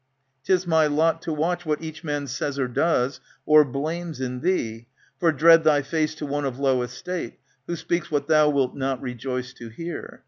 'Tis my lot to watch What each man says or does, or blames in thee, For dread thy face to one of low estate, ^ Who speaks what thou wilt not rejoice to hear.